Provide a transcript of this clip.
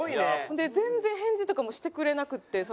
で全然返事とかもしてくれなくて。